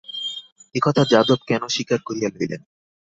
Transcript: একথা যাদব কেন স্বীকার করিয়া লইলেন?